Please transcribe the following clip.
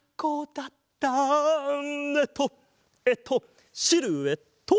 えっとえっとシルエット！